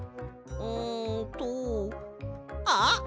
んとあっ！